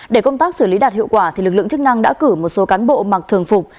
để công tác xử lý đạt hiệu quả lực lượng chức năng đã cử một số cán bộ mặc thường phục